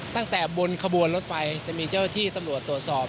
ตั้งแต่บนขบวนรถไฟจะมีเจ้าที่ตำรวจตรวจสอบ